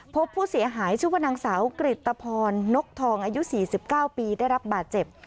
พบผู้เสียหายชื่อว่านางสาวกริตภรณกทองอายุ๔๙ปีได้รับบาดเจ็บ